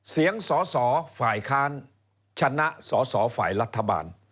เสียงสอสอฝ่ายค้านชนะสอสอฝ่ายรัฐบาล